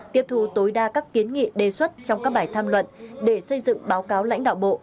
tiếp thu tối đa các kiến nghị đề xuất trong các bài tham luận để xây dựng báo cáo lãnh đạo bộ